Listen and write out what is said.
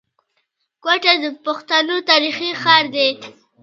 کوټه د پښتنو تاريخي ښار دی.